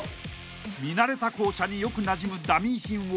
［見慣れた校舎によくなじむダミー品をゼロから制作］